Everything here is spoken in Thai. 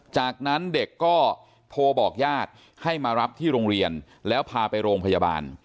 จากนั้นเด็กก็โทรบอกญาติให้มารับที่โรงเรียนแล้วพาไปโรงพยาบาล